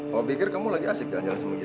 papa pikir kamu lagi asyik jalan jalan semua gila